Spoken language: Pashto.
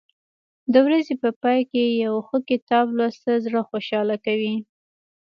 د ورځې په پای کې یو ښه کتاب لوستل زړه خوشحاله کوي.